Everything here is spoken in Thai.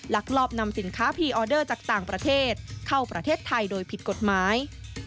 ลักลอบนำสินค้าพรีออเดอร์จากต่างประเทศเข้าประเทศไทยโดยผิดกฎหมาย